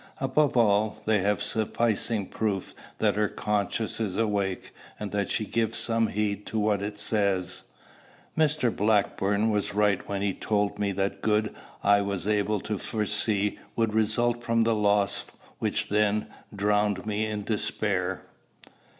Above all, they have sufficing proof that her conscience is awake, and that she gives some heed to what it says. Mr. Blackstone was right when he told me that good I was unable to foresee would result from the loss which then drowned me in despair.